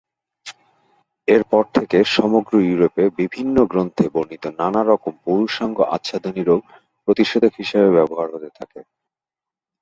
এর পর থেকে সমগ্র ইউরোপে বিভিন্ন গ্রন্থে বর্ণিত নানা রকম পুরুষাঙ্গ-আচ্ছাদনী রোগ প্রতিষেধক হিসেবে ব্যবহৃত হতে থাকে।